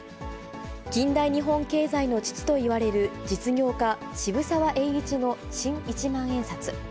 近代日本経済の父と言われる実業家、渋沢栄一の新一万円札。